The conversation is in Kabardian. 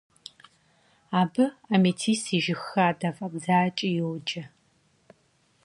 Абы Амитис и жыг хадэ фӀэдзакӀи йоджэ.